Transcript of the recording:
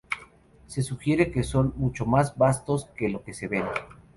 Se sugiere que son mucho más vastos que lo que se ven.